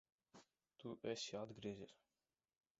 Tu esi atgriezies!